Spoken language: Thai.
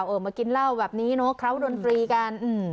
เอ่อมากินเหล้าแบบนี้เนอะเขาโดนฟรีกัน